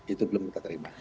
itu belum kita terima